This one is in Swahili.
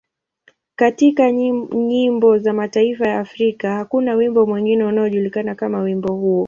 Katika nyimbo za mataifa ya Afrika, hakuna wimbo mwingine unaojulikana kama wimbo huo.